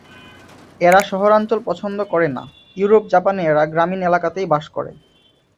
এরা শহরাঞ্চল পছন্দ করে না, ইউরোপ, জাপানে এরা গ্রামীণ এলাকাতেই বাস করে।